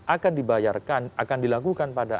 akan dibayarkan akan dilakukan pada